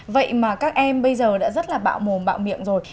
vậy mà các em bây giờ đã rất là bạo mồm bạo miệng rồi